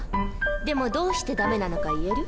でもどうして駄目なのか言える？